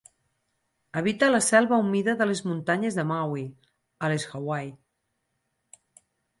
Habita la selva humida de les muntanyes de Maui, a les Hawaii.